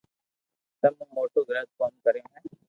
تمو موٽو غلط ڪوم ڪريو ھي